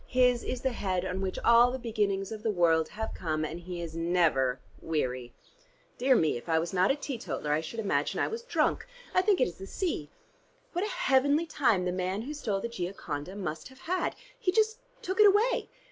His is the head on which all the beginnings of the world have come, and he is never weary. Dear me, if I was not a teetotaller I should imagine I was drunk. I think it is the sea. What a heavenly time the man who stole the 'Gioconda' must have had. He just took it away.